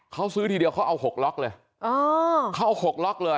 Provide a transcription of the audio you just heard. เขาซื้อทีเดียวเขาเอาหกหล็อกเลย